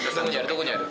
どこにある？